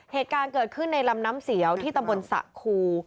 เหตุการณ์เกิดขึ้นในลำน้ำเสียวที่ตำบลสะครู